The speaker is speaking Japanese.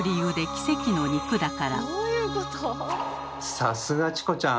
さすがチコちゃん！